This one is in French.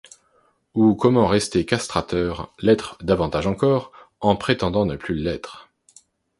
Ou comment rester castrateur, l'être davantage encore en prétendant ne plus l'être.